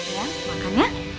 ya makan ya